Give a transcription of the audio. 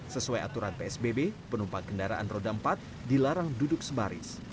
sesuai aturan psbb penumpang kendaraan roda empat dilarang duduk sebaris